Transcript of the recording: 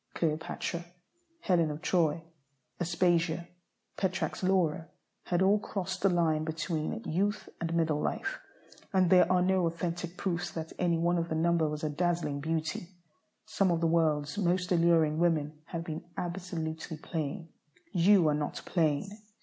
Cleopatra, Helen of Troy, Aspasia, Petrarch's Laura, had all crossed the line between youth and middle life, and there are no authentic proofs that any one of the number was a dazzling beauty. Some of the world's most alluring women have been absolutely plain. You are not plain.